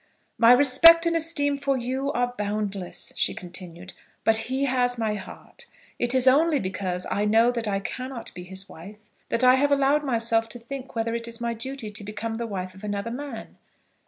"My respect and esteem for you are boundless," she continued, "but he has my heart. It is only because I know that I cannot be his wife that I have allowed myself to think whether it is my duty to become the wife of another man.